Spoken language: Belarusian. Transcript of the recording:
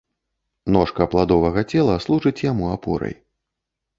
Ножка пладовага цела служыць яму апорай.